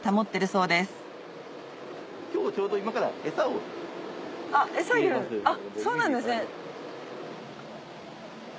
そうなんですね。